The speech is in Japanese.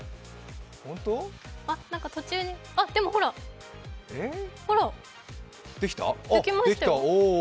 途中に、ほら、できました。